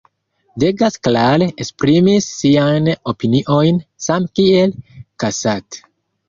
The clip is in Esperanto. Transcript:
Degas klare esprimis siajn opiniojn, same kiel Cassatt.